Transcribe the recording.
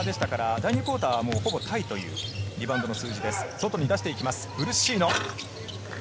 第２クオーターはタイというリバウンドの数字です。